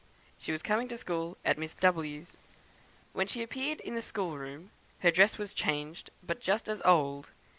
She was coming to school at Miss W 's. When she appeared in the schoolroom, her dress was changed, but just as old.